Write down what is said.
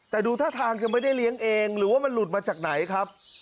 แต่ดูท่าทางจะไม่ได้เลี้ยงเองหรือว่ามันหลุดมาจากไหนครับ